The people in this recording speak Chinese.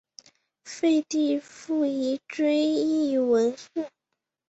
废帝溥仪追谥文慎。